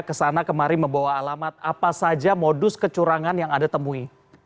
kesana kemari membawa alamat apa saja modus kecurangan yang anda temui